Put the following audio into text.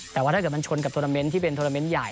แต่ว่าถ้าเกิดมันชนกับโทรนาเมนต์ที่เป็นโทรเมนต์ใหญ่